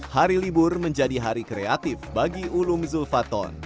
hari libur menjadi hari kreatif bagi ulum zulfaton